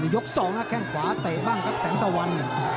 ยก๒แข้งขวาเตะบ้างครับแสงตะวัน